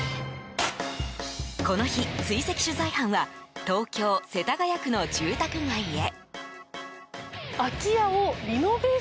この日、追跡取材班は東京・世田谷区の住宅街へ。